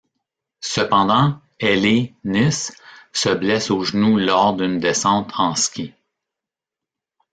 Cependant, Hellé Nice se blesse au genou lors d'une descente en ski.